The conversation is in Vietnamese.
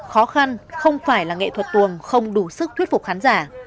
khó khăn không phải là nghệ thuật tuồng không đủ sức thuyết phục khán giả